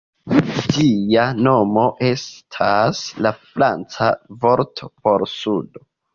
Ĝia nomo estas la franca vorto por "sudo".